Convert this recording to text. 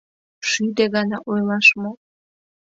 Шӱдӧ гана ойлаш мо?!